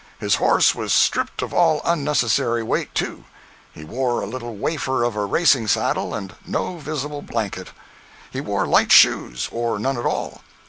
His horse was stripped of all unnecessary weight, too. He wore a little wafer of a racing saddle, and no visible blanket. He wore light shoes, or none at all.